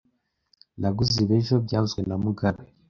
Naguze ibi ejo byavuzwe na mugabe